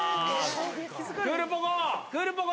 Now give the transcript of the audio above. クールポコ。